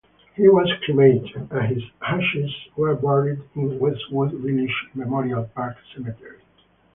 He was cremated, and his ashes were buried in Westwood Village Memorial Park Cemetery.